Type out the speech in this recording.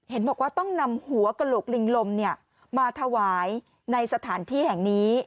เห็นบอกว่าต้องนำหัวกระโหลกลิงลมมาถวายในสถานที่แห่งนี้